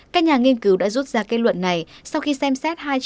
các nhà nghiên cứu đã rút ra kết luận này sau khi xem xét